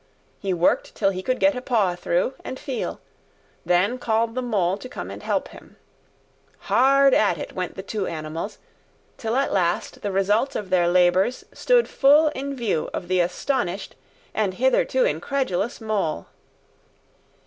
He worked till he could get a paw through and feel; then called the Mole to come and help him. Hard at it went the two animals, till at last the result of their labours stood full in view of the astonished and hitherto incredulous Mole.